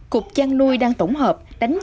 cục chăn nuôi đang tổng hợp